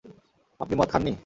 আপনি মদ খান নি?